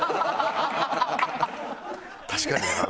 確かにな。